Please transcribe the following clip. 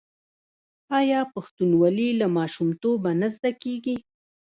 آیا پښتونولي له ماشومتوبه نه زده کیږي؟